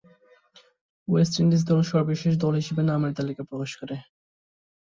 West Indies দল সর্বশেষ দল হিসেবে নামের তালিকা প্রকাশ করে।